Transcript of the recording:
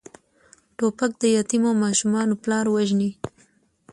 توپک د یتیمو ماشومانو پلار وژني.